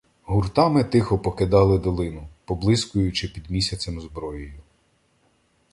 Гуртами тихо покидали долину, поблискуючи під місяцем зброєю.